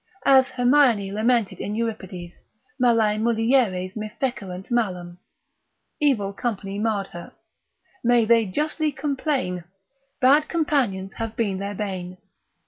As Hermione lamented in Euripides, malae mulieres me fecerunt malam. Evil company marred her, may they justly complain, bad companions have been their bane.